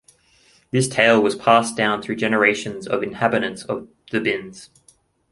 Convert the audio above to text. This tale was passed down through generations of inhabitants of the Binns.